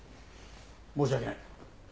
申し訳ない。